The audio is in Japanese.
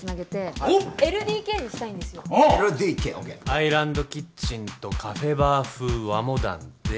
アイランドキッチンとカフェバー風和モダンで。